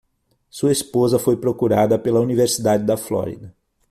Sua esposa foi procurada pela Universidade da Flórida.